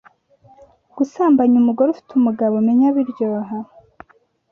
gusambanya umugore ufite umugabo menya biryoha